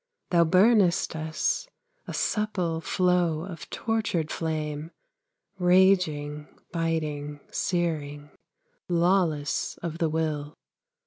Thou burnest us, a supple Flow of tortured flame, Raging, biting, searing, Lawless of the will.